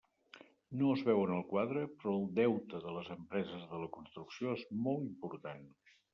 No es veu en el quadre, però el deute de les empreses de la construcció és molt important.